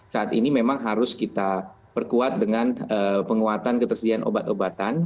saat ini memang harus kita perkuat dengan penguatan ketersediaan obat obatan